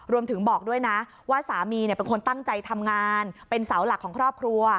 บอกด้วยนะว่าสามีเป็นคนตั้งใจทำงานเป็นเสาหลักของครอบครัว